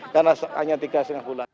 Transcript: karena hanya tiga lima bulan